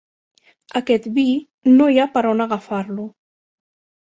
Aquest vi, no hi ha per on agafar-lo.